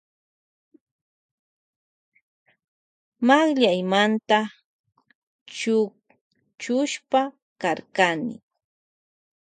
Manllaymanta chukchushpa karkani.